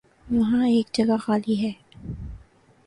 وہاں ایک جگہ خالی ہے۔